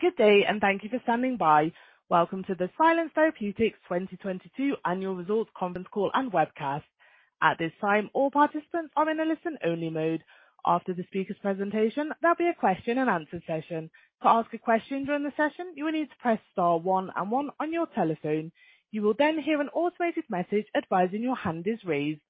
Good day. Thank you for standing by. Welcome to the Silence Therapeutics 2022 annual results conference call and webcast. At this time, all participants are in a listen-only mode. After the speaker's presentation, there'll be a question-and-answer session. To ask a question during the session, you will need to press star one and one on your telephone. You will hear an automated message advising your hand is raised.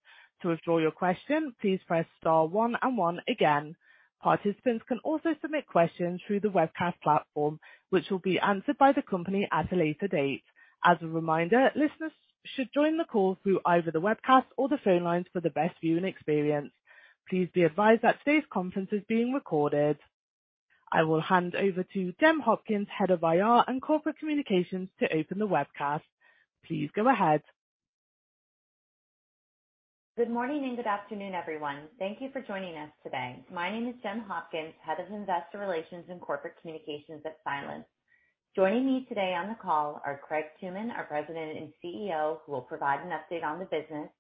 To withdraw your question, please press star one and one again. Participants can also submit questions through the webcast platform, which will be answered by the company at a later date. As a reminder, listeners should join the call through either the webcast or the phone lines for the best viewing experience. Please be advised that today's conference is being recorded. I will hand over to Gem Hopkins, Head of IR and Corporate Communications, to open the webcast. Please go ahead. Good morning and good afternoon, everyone. Thank you for joining us today. My name is Gem Hopkins, head of investor relations and corporate communications at Silence. Joining me today on the call are Craig Tooman, our president and CEO, who will provide an update on the business,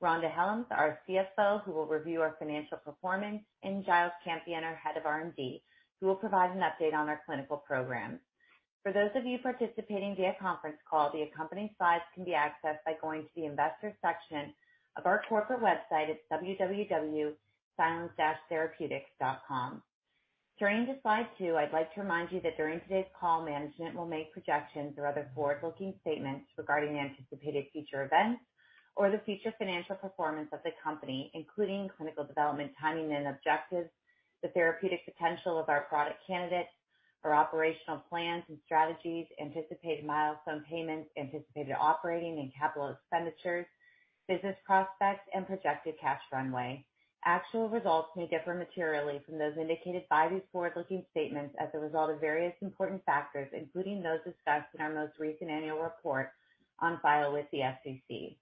Rhonda Hellums, our CFO, who will review our financial performance, and Giles Campion, our head of R&D, who will provide an update on our clinical programs. For those of you participating via conference call, the accompanying slides can be accessed by going to the investor section of our corporate website at www.silence-therapeutics.com. Turning to slide two, I'd like to remind you that during today's call, management will make projections or other forward-looking statements regarding anticipated future events or the future financial performance of the company, including clinical development, timing and objectives, the therapeutic potential of our product candidates, our operational plans and strategies, anticipated milestone payments, anticipated operating and capital expenditures, business prospects, and projected cash runway. Actual results may differ materially from those indicated by these forward-looking statements as a result of various important factors, including those discussed in our most recent annual report on file with the SEC.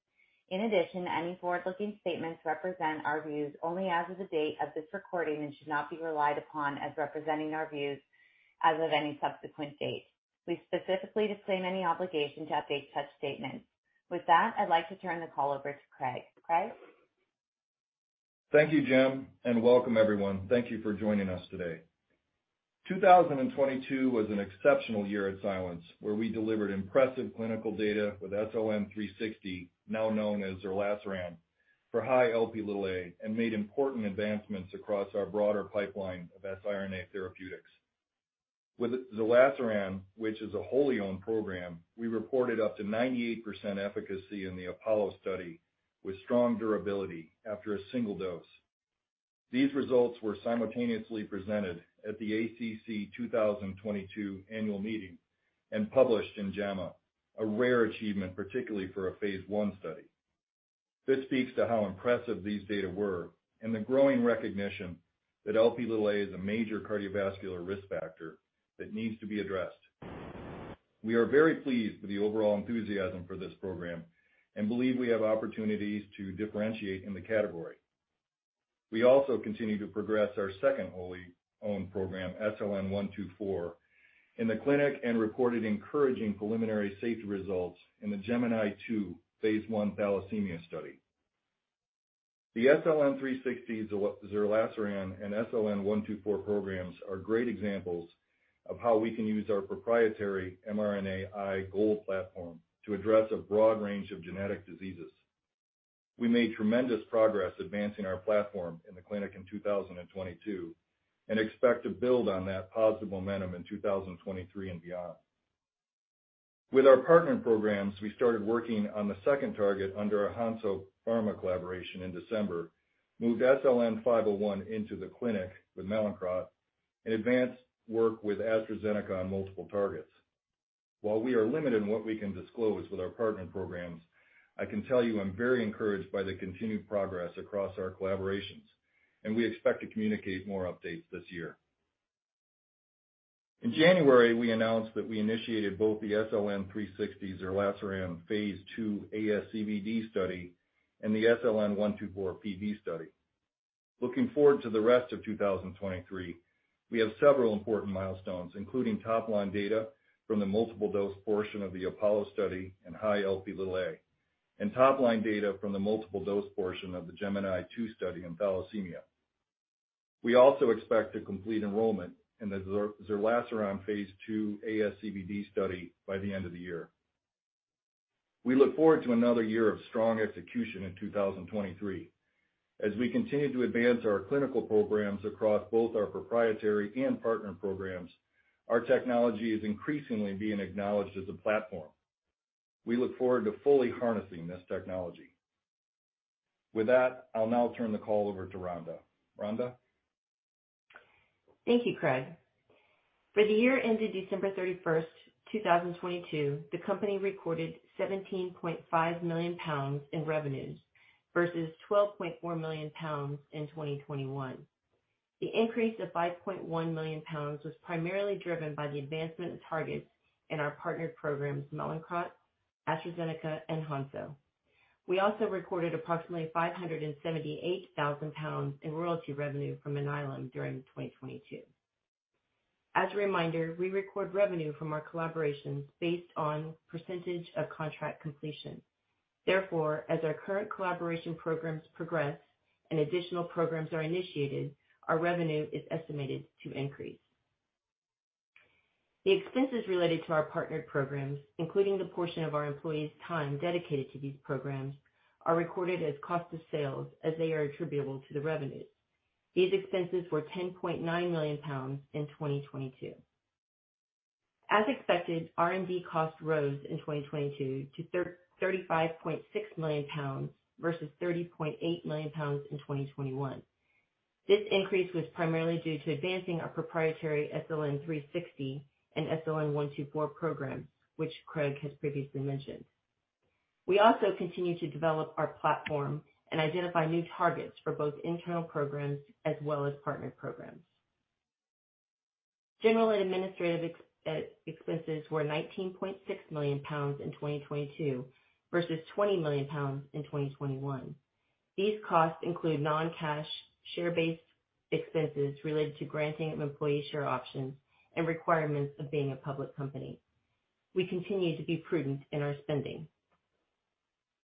Any forward-looking statements represent our views only as of the date of this recording and should not be relied upon as representing our views as of any subsequent date. We specifically disclaim any obligation to update such statements. With that, I'd like to turn the call over to Craig. Craig? Thank you, Gem, and welcome everyone. Thank you for joining us today. 2022 was an exceptional year at Silence, where we delivered impressive clinical data with SLN360, now known as Zerlasiran, for high Lp(a), and made important advancements across our broader pipeline of siRNA therapeutics. With Zerlasiran, which is a wholly owned program, we reported up to 98% efficacy in the APOLLO study with strong durability after a single dose. These results were simultaneously presented at the ACC 2022 annual meeting and published in JAMA, a rare achievement, particularly for a phase I study. This speaks to how impressive these data were and the growing recognition that Lp(a) is a major cardiovascular risk factor that needs to be addressed. We are very pleased with the overall enthusiasm for this program and believe we have opportunities to differentiate in the category. We also continue to progress our second wholly owned program, SLN124, in the clinic and reported encouraging preliminary safety results in the GEMINI II phase I thalassemia study. The SLN360 Zerlasiran and SLN124 programs are great examples of how we can use our proprietary mRNAi GOLD platform to address a broad range of genetic diseases. We made tremendous progress advancing our platform in the clinic in 2022 and expect to build on that positive momentum in 2023 and beyond. With our partner programs, we started working on the second target under our Hansoh Pharma collaboration in December, moved SLN501 into the clinic with Mallinckrodt, and advanced work with AstraZeneca on multiple targets. While we are limited in what we can disclose with our partner programs, I can tell you I'm very encouraged by the continued progress across our collaborations, and we expect to communicate more updates this year. In January, we announced that we initiated both the SLN360 Zerlasiran phase II ASCVD study and the SLN124 polycythemia vera study. Looking forward to the rest of 2023, we have several important milestones, including top-line data from the multiple-dose portion of the APOLLO study in high Lp(a) and top-line data from the multiple-dose portion of the GEMINI II study in beta thalassemia. We also expect to complete enrollment in the Zerlasiran phase II ASCVD study by the end of the year. We look forward to another year of strong execution in 2023. As we continue to advance our clinical programs across both our proprietary and partner programs, our technology is increasingly being acknowledged as a platform. We look forward to fully harnessing this technology. With that, I'll now turn the call over to Rhonda. Rhonda? Thank you, Craig. For the year ended December 31, 2022, the company recorded 17.5 million pounds in revenues versus 12.4 million pounds in 2021. The increase of 5.1 million pounds was primarily driven by the advancement of targets in our partnered programs, Mallinckrodt, AstraZeneca, and Hansoh. We also recorded approximately 578,000 pounds in royalty revenue from Alnylam during 2022. As a reminder, we record revenue from our collaborations based on percentage of contract completion. Therefore, as our current collaboration programs progress and additional programs are initiated, our revenue is estimated to increase. The expenses related to our partnered programs, including the portion of our employees' time dedicated to these programs, are recorded as cost of sales as they are attributable to the revenues. These expenses were 10.9 million pounds in 2022. As expected, R&D costs rose in 2022 to 35.6 million pounds versus 30.8 million pounds in 2021. This increase was primarily due to advancing our proprietary SLN360 and SLN124 programs, which Craig has previously mentioned. We also continue to develop our platform and identify new targets for both internal programs as well as partner programs. General and administrative expenses were 19.6 million pounds in 2022 versus 20 million pounds in 2021. These costs include non-cash share-based expenses related to granting of employee share options and requirements of being a public company. We continue to be prudent in our spending.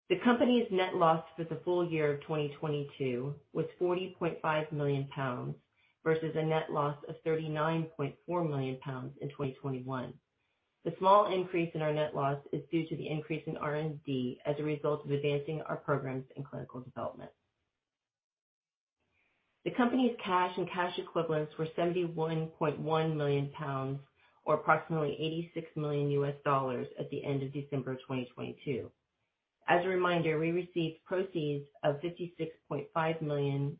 The company's net loss for the full year of 2022 was 40.5 million pounds versus a net loss of 39.4 million pounds in 2021. The small increase in our net loss is due to the increase in R&D as a result of advancing our programs in clinical development. The company's cash and cash equivalents were 71.1 million pounds or approximately $86 million at the end of December of 2022. As a reminder, we received proceeds of $56.5 million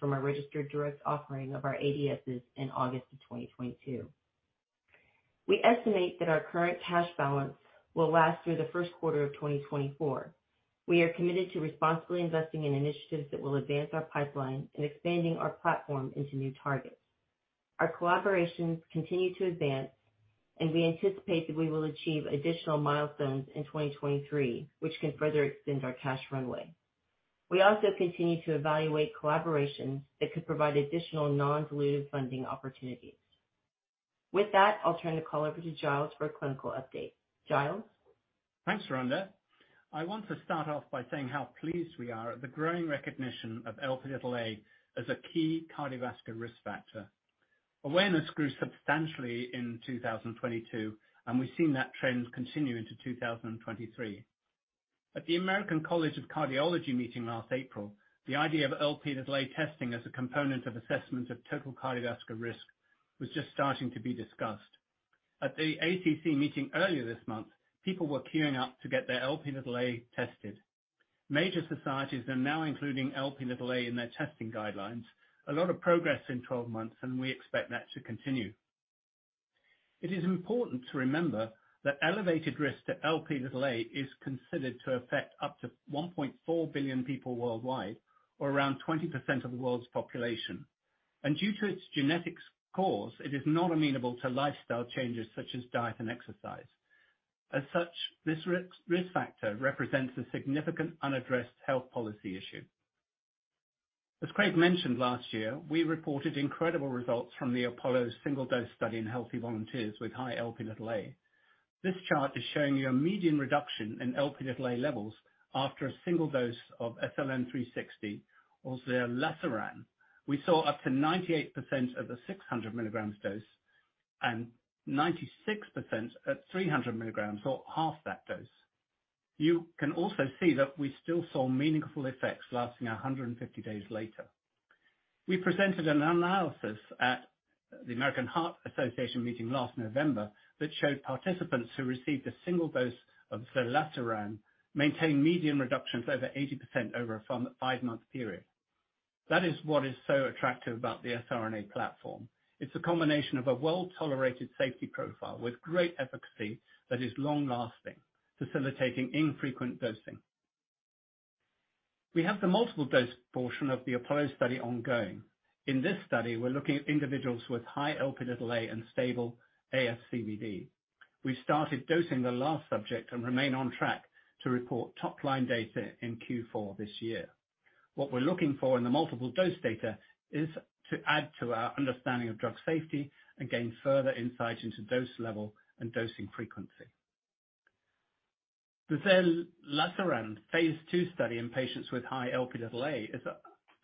from our registered direct offering of our ADSs in August of 2022. We estimate that our current cash balance will last through the Q1 of 2024. We are committed to responsibly investing in initiatives that will advance our pipeline and expanding our platform into new targets. Our collaborations continue to advance, and we anticipate that we will achieve additional milestones in 2023, which can further extend our cash runway. We also continue to evaluate collaborations that could provide additional non-dilutive funding opportunities. With that, I'll turn the call over to Giles for a clinical update. Giles? Thanks, Rhonda. I want to start off by saying how pleased we are at the growing recognition of Lp as a key cardiovascular risk factor. Awareness grew substantially in 2022, and we've seen that trend continue into 2023. At the American College of Cardiology meeting last April, the idea of Lp testing as a component of assessment of total cardiovascular risk was just starting to be discussed. At the ACC meeting earlier this month, people were queueing up to get their Lp tested. Major societies are now including Lp in their testing guidelines. A lot of progress in 12 months, and we expect that to continue. It is important to remember that elevated risk to Lp is considered to affect up to 1.4 billion people worldwide, or around 20% of the world's population. Due to its genetic cause, it is not amenable to lifestyle changes such as diet and exercise. As such, this risk factor represents a significant unaddressed health policy issue. As Craig Tooman mentioned last year, we reported incredible results from the APOLLO single dose study in healthy volunteers with high Lp(a). This chart is showing you a median reduction in Lp(a) levels after a single dose of SLN360 or Zerlasiran. We saw up to 98% of the 600 milligrams dose and 96% at 300 milligrams, or half that dose. You can also see that we still saw meaningful effects lasting 150 days later. We presented an analysis at the American Heart Association meeting last November that showed participants who received a single dose of Zerlasiran maintain median reductions over 80% over a five-month period. That is what is so attractive about the siRNA platform. It's a combination of a well-tolerated safety profile with great efficacy that is long-lasting, facilitating infrequent dosing. We have the multiple dose portion of the APOLLO study ongoing. In this study, we're looking at individuals with high Lp and stable ASCVD. We started dosing the last subject and remain on track to report top-line data in Q4 this year. What we're looking for in the multiple dose data is to add to our understanding of drug safety and gain further insight into dose level and dosing frequency. The Zerlasiran phase II study in patients with high Lp is,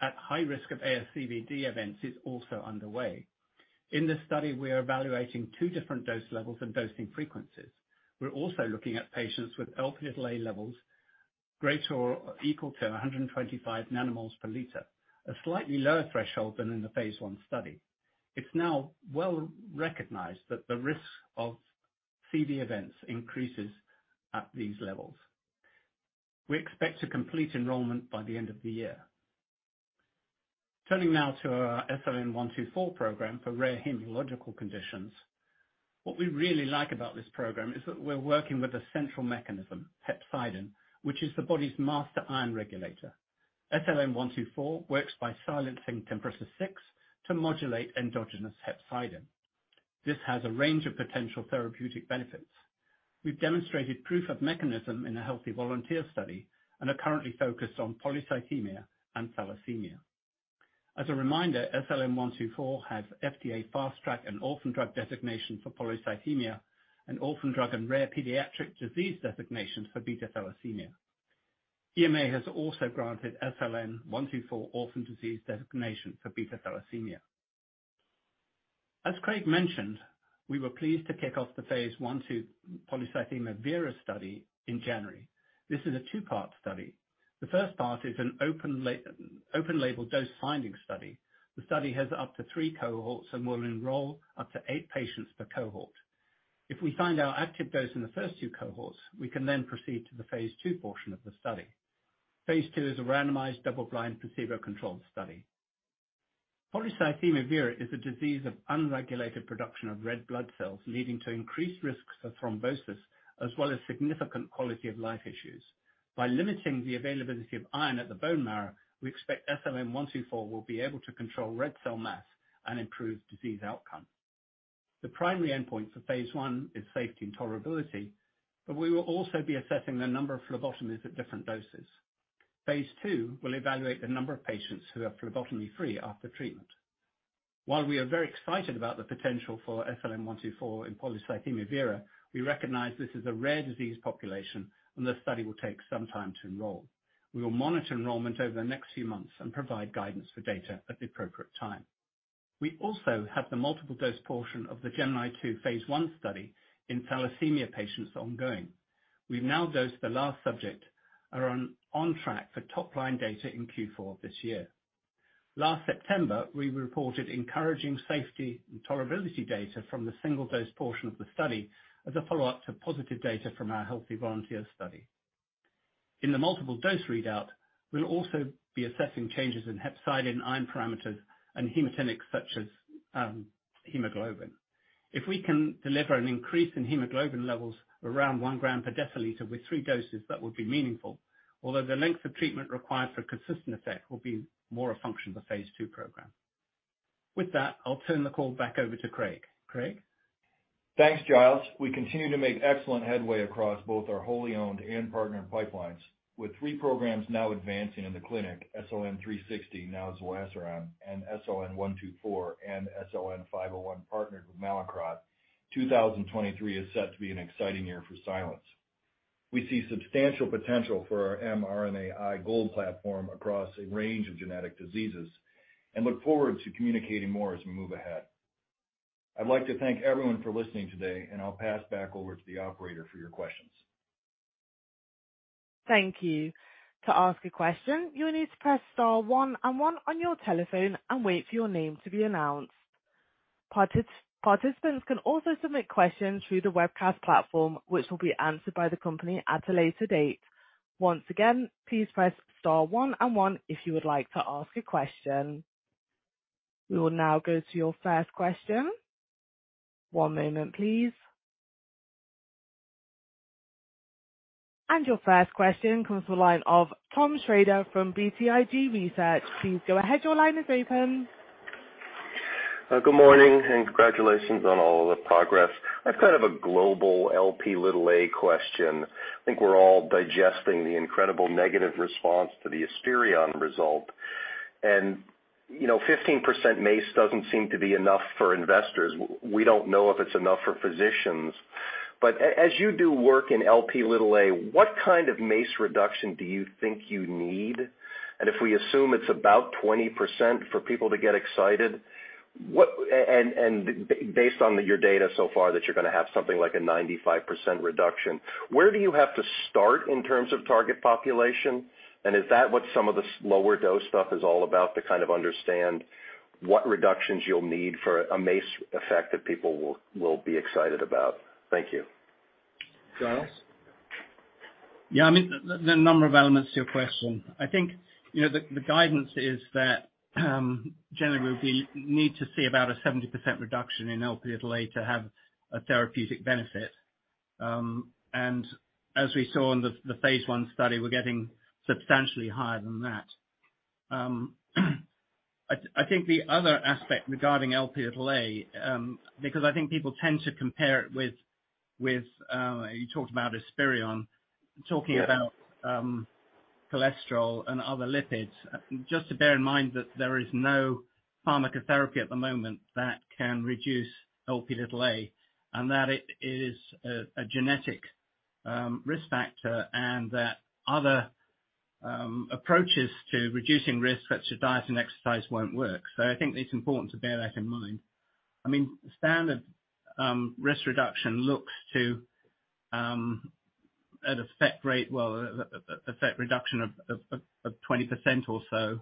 at high risk of ASCVD events, is also underway. In this study, we are evaluating two different dose levels and dosing frequencies. We're also looking at patients with Lp(a) levels greater or equal to 125 nanomoles per liter, a slightly lower threshold than in the phase I study. It's now well recognized that the risk of CV events increases at these levels. We expect to complete enrollment by the end of the year. Turning now to our SLN124 program for rare hematological conditions. What we really like about this program is that we're working with a central mechanism, hepcidin, which is the body's master iron regulator. SLN124 works by silencing TMPRSS6 to modulate endogenous hepcidin. This has a range of potential therapeutic benefits. We've demonstrated proof of mechanism in a healthy volunteer study and are currently focused on polycythemia and thalassemia. A reminder, SLN124 has FDA Fast Track and Orphan Drug Designation for polycythemia and orphan drug and Rare Pediatric Disease Designation for beta thalassemia. EMA has also granted SLN124 Orphan designation for beta thalassemia. Craig mentioned, we were pleased to kick off the phase I and II polycythemia vera study in January. This is a two-part study. The first part is an open label dose-finding study. The study has up to three cohorts and will enroll up to eight patients per cohort. If we find our active dose in the first two cohorts, we can then proceed to the phase II portion of the study. Phase II is a randomized double-blind, placebo-controlled study. Polycythemia vera is a disease of unregulated production of red blood cells, leading to increased risks of thrombosis as well as significant quality of life issues. By limiting the availability of iron at the bone marrow, we expect SLN124 will be able to control red cell mass and improve disease outcome. The primary endpoint for phase I is safety and tolerability. We will also be assessing the number of phlebotomies at different doses. Phase II will evaluate the number of patients who are phlebotomy-free after treatment. We are very excited about the potential for SLN124 in polycythemia vera, we recognize this is a rare disease population and the study will take some time to enroll. We will monitor enrollment over the next few months and provide guidance for data at the appropriate time. We also have the multiple dose portion of the GEMINI II Phase I study in beta thalassemia patients ongoing. We've now dosed the last subject and are on track for top-line data in Q4 of this year. Last September, we reported encouraging safety and tolerability data from the single dose portion of the study as a follow-up to positive data from our healthy volunteer study. In the multiple dose readout, we'll also be assessing changes in hepcidin, iron parameters, and hematinics such as hemoglobin. If we can deliver an increase in hemoglobin levels around one gram per deciliter with three doses, that would be meaningful, although the length of treatment required for a consistent effect will be more a function of the Phase II program. With that, I'll turn the call back over to Craig. Craig? Thanks, Giles. We continue to make excellent headway across both our wholly owned and partnered pipelines. With three programs now advancing in the clinic, SLN360, now Zerlasiran, and SLN124, and SLN501 partnered with Mallinckrodt, 2023 is set to be an exciting year for Silence. We see substantial potential for our mRNAi GOLD platform across a range of genetic diseases and look forward to communicating more as we move ahead. I'd like to thank everyone for listening today. I'll pass back over to the operator for your questions. Thank you. To ask a question, you will need to press star one and one on your telephone and wait for your name to be announced. Participants can also submit questions through the webcast platform, which will be answered by the company at a later date. Once again, please press star one and one if you would like to ask a question. We will now go to your first question. One moment please. Your first question comes from the line of Tom Shrader from BTIG Research. Please go ahead. Your line is open. Good morning and congratulations on all the progress. I've kind of a global Lp(a) question. I think we're all digesting the incredible negative response to the Asterion result. You know, 15% MACE doesn't seem to be enough for investors. We don't know if it's enough for physicians. As you do work in Lp(a), what kind of MACE reduction do you think you need? If we assume it's about 20% for people to get excited, based on your data so far, that you're gonna have something like a 95% reduction, where do you have to start in terms of target population? Is that what some of the lower dose stuff is all about to kind of understand what reductions you'll need for a MACE effect that people will be excited about? Thank you. Giles? I mean, the number of elements to your question. I think, you know, the guidance is that generally we'll be, need to see about a 70% reduction in Lp(a) to have a therapeutic benefit. As we saw on the phase I study, we're getting substantially higher than that. I think the other aspect regarding Lp(a), because I think people tend to compare it with, you talked about Asterion, talking about cholesterol and other lipids. Just to bear in mind that there is no pharmacotherapy at the moment that can reduce Lp(a), and that it is a genetic risk factor, and that other approaches to reducing risk, such as diet and exercise, won't work. I think it's important to bear that in mind. I mean, standard risk reduction looks to at effect rate, well, effect reduction of 20% or so.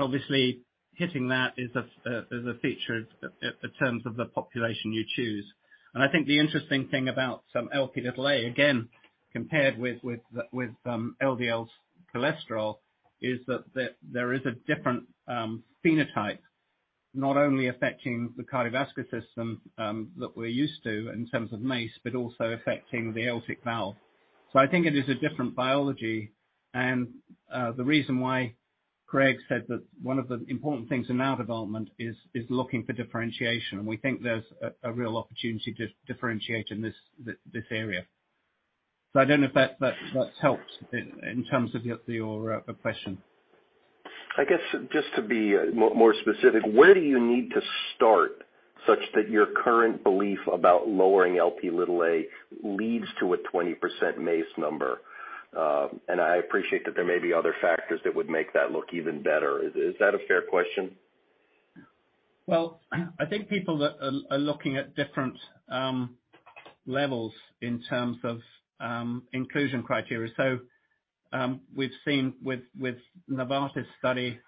Obviously, hitting that is a feature of in terms of the population you choose. I think the interesting thing about some Lp, again, compared with LDL cholesterol, is that there is a different phenotype, not only affecting the cardiovascular system, that we're used to in terms of MACE, but also affecting the aortic valve. I think it is a different biology, and the reason Craig said that one of the important things in our development is looking for differentiation, and we think there's a real opportunity to differentiate in this area. I don't know if that's helped in terms of your question. I guess, just to be more specific, where do you need to start such that your current belief about lowering Lp leads to a 20% MACE number? I appreciate that there may be other factors that would make that look even better. Is that a fair question? Well, I think people are looking at different levels in terms of inclusion criteria. We've seen with Novartis study,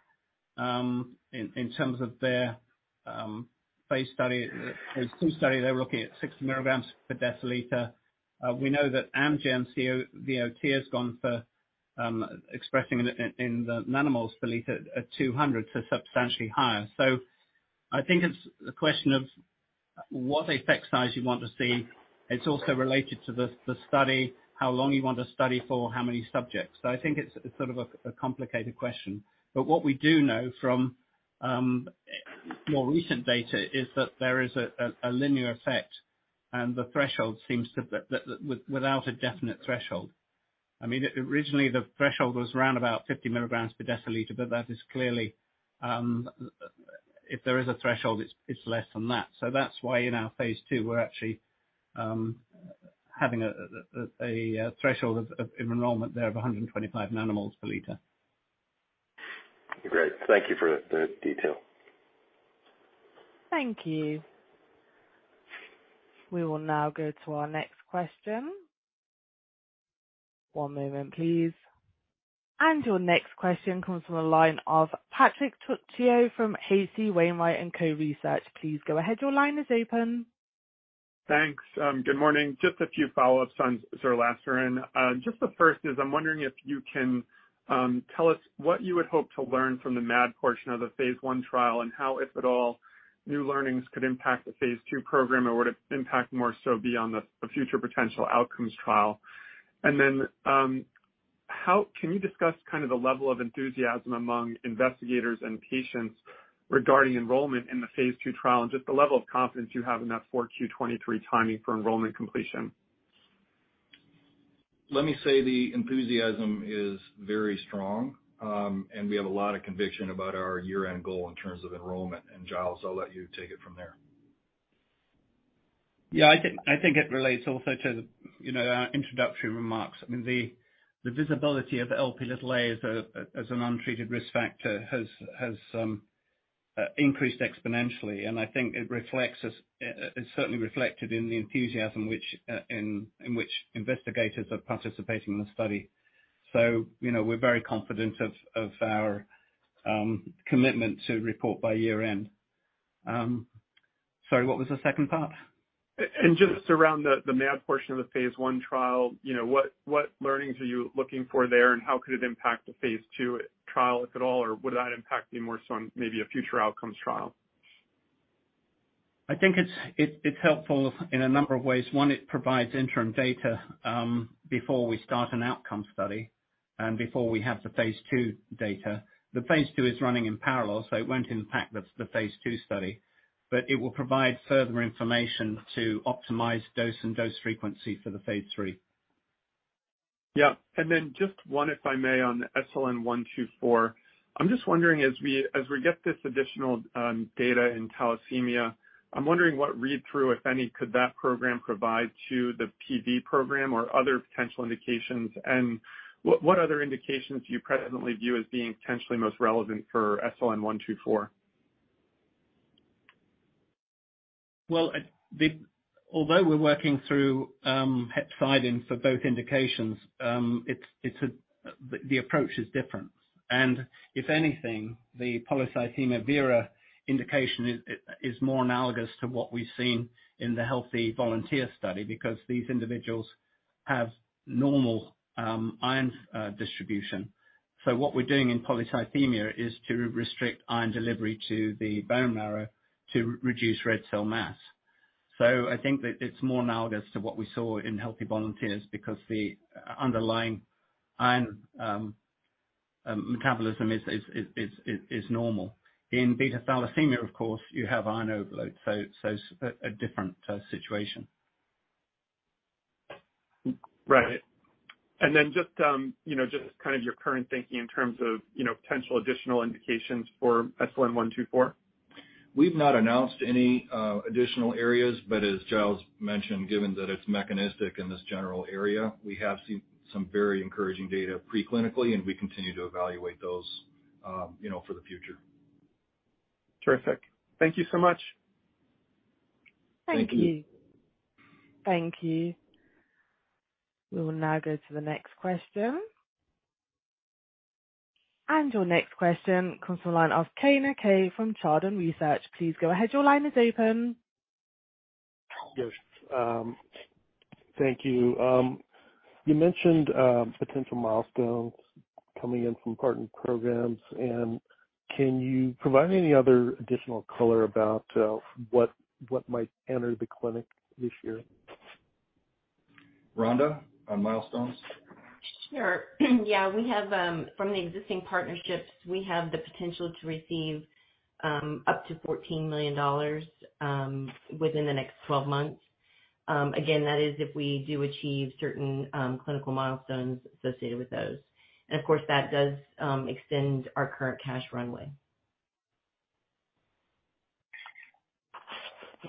in terms of their phase study, there's two study, they're looking at 60 milligrams per deciliter. We know that Amgen's CVOT has gone for expressing in the nanomoles per liter at 200, so substantially higher. I think it's a question of what effect size you want to see. It's also related to the study, how long you want to study for, how many subjects. I think it's sort of a complicated question. What we do know from more recent data is that there is a linear effect, and the threshold seems to without a definite threshold. I mean, originally, the threshold was around about 50 milligrams per deciliter, but that is clearly, if there is a threshold, it's less than that. That's why in our phase II, we're actually having a threshold of enrollment there of 125 nanomoles per liter. Great. Thank you for the detail. Thank you. We will now go to our next question. One moment, please. Your next question comes from the line of Patrick Trucchio from H.C. Wainwright & Co. Please go ahead. Your line is open. Thanks. Good morning. Just a few follow-ups on Zerlasiran. Just the first is, I'm wondering if you can tell us what you would hope to learn from the MAD portion of the phase I trial and how, if at all, new learnings could impact the phase II program, or would it impact more so beyond the future potential outcomes trial. Can you discuss kind of the level of enthusiasm among investigators and patients regarding enrollment in the phase II trial and just the level of confidence you have in that Q4 2023 timing for enrollment completion? Let me say the enthusiasm is very strong, and we have a lot of conviction about our year-end goal in terms of enrollment. Giles, I'll let you take it from there. Yeah, I think it relates also to, you know, our introductory remarks. I mean, the visibility of Lp(a) as an untreated risk factor has increased exponentially, and I think it reflects It's certainly reflected in the enthusiasm in which investigators are participating in the study. You know, we're very confident of our commitment to report by year-end. Sorry, what was the second part? Just around the MAD portion of the phase I trial, you know, what learnings are you looking for there, and how could it impact the phase II trial, if at all, or would that impact be more so on maybe a future outcomes trial? I think it's helpful in a number of ways. One, it provides interim data before we start an outcome study and before we have the phase II data. The phase II is running in parallel, it won't impact the phase II study, but it will provide further information to optimize dose and dose frequency for the phase III. Yeah. Just one, if I may, on SLN124. I'm just wondering, as we get this additional data in thalassemia, I'm wondering what read-through, if any, could that program provide to the PV program or other potential indications, and what other indications do you presently view as being potentially most relevant for SLN124? Well, although we're working through hepcidin for both indications. The approach is different. If anything, the polycythemia vera indication is more analogous to what we've seen in the healthy volunteer study because these individuals have normal iron distribution. What we're doing in polycythemia is to restrict iron delivery to the bone marrow to reduce red cell mass. I think that it's more analogous to what we saw in healthy volunteers because the underlying iron metabolism is normal. In beta thalassemia, of course, you have iron overload. It's a different situation. Right. Then just, you know, just kind of your current thinking in terms of, you know, potential additional indications for SLN124. We've not announced any additional areas, but as Giles mentioned, given that it's mechanistic in this general area, we have seen some very encouraging data pre-clinically, and we continue to evaluate those, you know, for the future. Terrific. Thank you so much. Thank you. Thank you. Thank you. We will now go to the next question. Your next question comes from the line of Keay Nakae from Chardan Research. Please go ahead. Your line is open. Yes. Thank you. You mentioned, potential milestones coming in from partner programs. Can you provide any other additional color about what might enter the clinic this year? Rhonda, on milestones? Sure. Yeah, we have, from the existing partnerships, we have the potential to receive, up to $14 million, within the next 12 months. Again, that is if we do achieve certain clinical milestones associated with those. Of course, that does extend our current cash runway.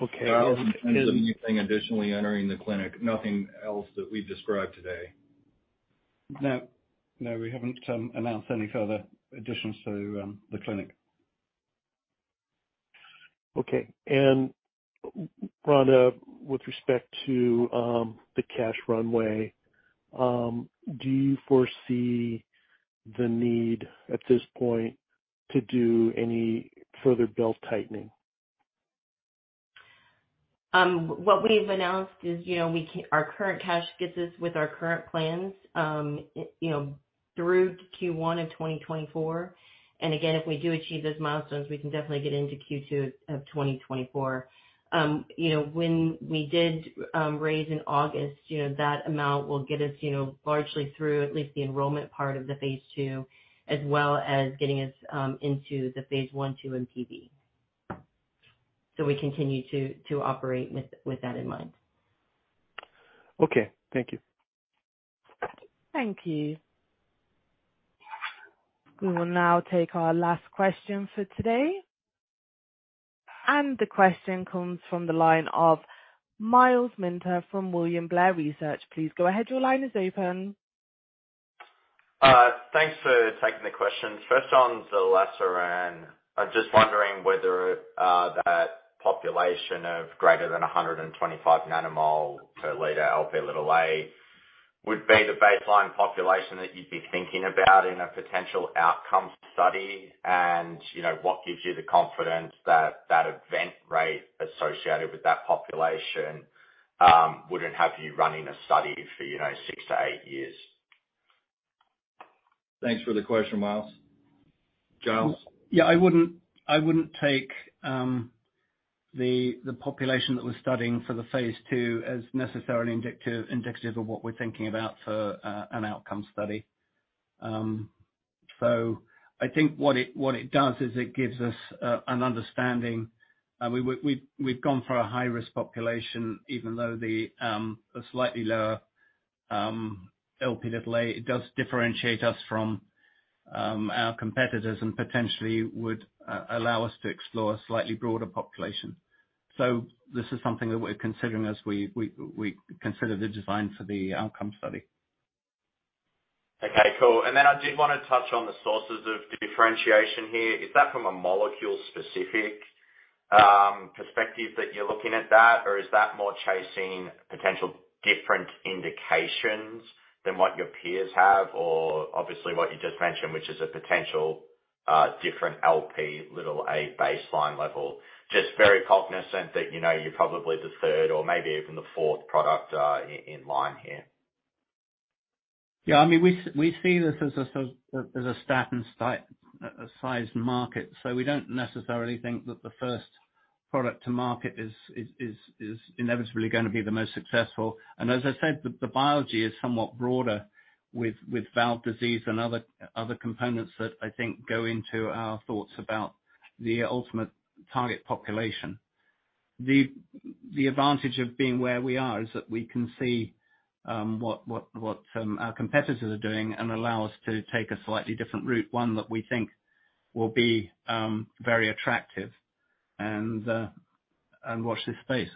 Okay. Giles, in terms of anything additionally entering the clinic, nothing else that we've described today. No. No, we haven't announced any further additions to the clinic. Okay. Rhonda, with respect to the cash runway, do you foresee the need at this point to do any further belt-tightening? What we've announced is, Our current cash gets us with our current plans, through to Q1 of 2024. Again, if we do achieve those milestones, we can definitely get into Q2 of 2024. When we did raise in August, that amount will get us largely through at least the enrollment part of the phase II, as well as getting us into the phase I, II in PV. We continue to operate with that in mind. Okay, thank you. Thank you. We will now take our last question for today. The question comes from the line of Myles Minter from William Blair Research. Please go ahead. Your line is open. Thanks for taking the questions. First on the Zerlasiran. I'm just wondering whether that population of greater than 125 nanomole per liter Lp(a) would be the baseline population that you'd be thinking about in a potential outcome study. You know, what gives you the confidence that that event rate associated with that population wouldn't have you running a study for, you know, six-eight years? Thanks for the question, Myles. Giles? Yeah, I wouldn't take the population that we're studying for the phase II as necessarily indicative of what we're thinking about for an outcome study. I think what it does is it gives us an understanding. We've gone for a high-risk population, even though the a slightly lower Lp does differentiate us from our competitors and potentially would allow us to explore a slightly broader population. This is something that we're considering as we consider the design for the outcome study. Okay, cool. I did wanna touch on the sources of differentiation here. Is that from a molecule specific perspective that you're looking at that, or is that more chasing potential different indications than what your peers have? Obviously what you just mentioned, which is a potential different Lp baseline level. Just very cognizant that, you know, you're probably the third or maybe even the fourth product in line here. Yeah, I mean, we see this as a statin size market, so we don't necessarily think that the first product to market is inevitably gonna be the most successful. As I said, the biology is somewhat broader with valve disease and other components that I think go into our thoughts about the ultimate target population. The advantage of being where we are is that we can see what some, our competitors are doing and allow us to take a slightly different route, one that we think will be very attractive and watch this space.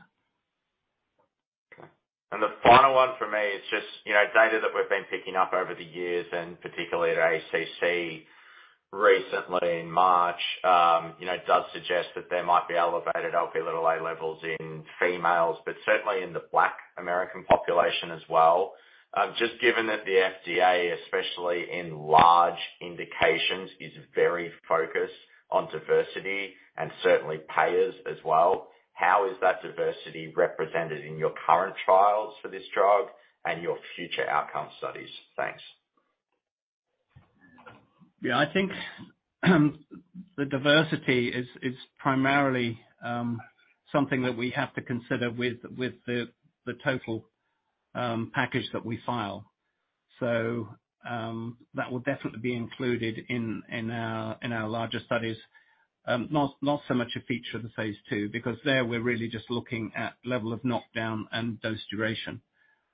Okay. The final one for me is just, you know, data that we've been picking up over the years, and particularly at ACC recently in March, you know, does suggest that there might be elevated Lp levels in females, but certainly in the Black American population as well. Just given that the FDA, especially in large indications, is very focused on diversity and certainly payers as well, how is that diversity represented in your current trials for this drug and your future outcome studies? Thanks. Yeah. I think, the diversity is primarily something that we have to consider with the total package that we file. That will definitely be included in our larger studies. Not so much a feature of the phase II, because there we're really just looking at level of knockdown and dose duration.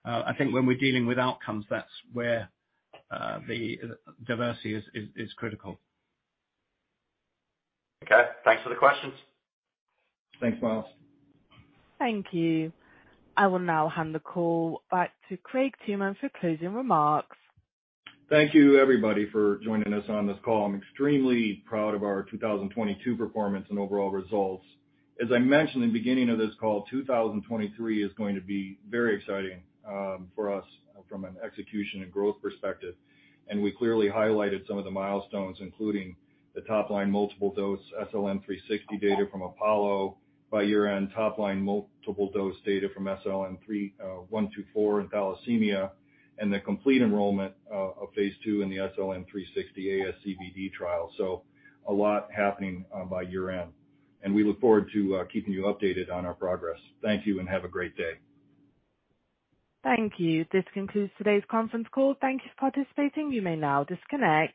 I think when we're dealing with outcomes, that's where the diversity is critical. Okay. Thanks for the questions. Thanks, Myles. Thank you. I will now hand the call back to Craig Tooman for closing remarks. Thank you, everybody, for joining us on this call. I'm extremely proud of our 2022 performance and overall results. As I mentioned in the beginning of this call, 2023 is going to be very exciting for us from an execution and growth perspective, and we clearly highlighted some of the milestones, including the top line multiple dose SLN360 data from APOLLO. By year-end, top line multiple dose data from SLN124 in thalassemia, and the complete enrollment of phase II in the SLN360 ASCVD trial. A lot happening by year-end. We look forward to keeping you updated on our progress. Thank you and have a great day. Thank you. This concludes today's conference call. Thank you for participating. You may now disconnect.